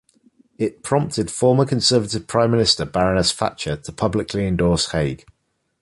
It prompted former Conservative Prime Minister Baroness Thatcher to publicly endorse Hague.